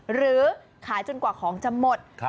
หรือขายจนกว่าของจะหมด